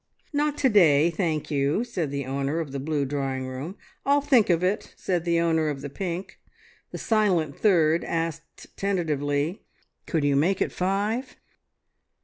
"Not to day, thank you," said the owner of the blue drawing room. "I'll think of it," said the owner of the pink. The silent third asked tentatively: "Could you make it five?"